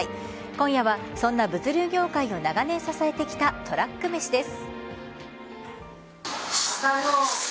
今夜は、そんな物流業界を長年支えてきたトラックめしです。